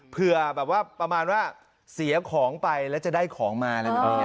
เผื่อประมาณว่าเสียของไปแล้วจะได้ของมา